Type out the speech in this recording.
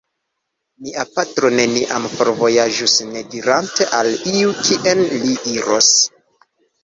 Mia patro neniam forvojaĝus nedirante al iu kien li iros.